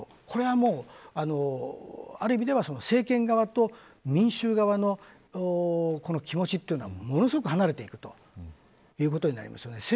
これは、ある意味では政権側と民衆側の気持ちというのはものすごく離れていくということになりますね。